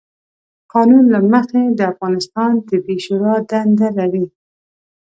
قانون له مخې، د افغانستان طبي شورا دنده لري،